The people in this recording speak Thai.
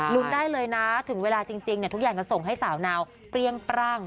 ได้เลยนะถึงเวลาจริงทุกอย่างจะส่งให้สาวนาวเปรี้ยงปร่าง